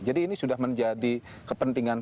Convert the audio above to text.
jadi ini sudah menjadi kepentingan